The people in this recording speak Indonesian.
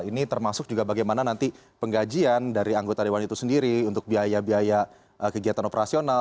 ini termasuk juga bagaimana nanti penggajian dari anggota dewan itu sendiri untuk biaya biaya kegiatan operasional